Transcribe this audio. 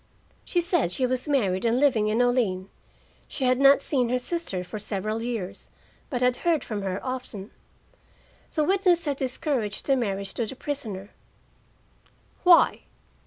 She said she was married and living in Olean; she had not seen her sister for several years, but had heard from her often. The witness had discouraged the marriage to the prisoner. "Why?"